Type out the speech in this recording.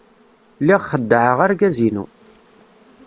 Lliɣ xeddɛeɣ argaz-inu.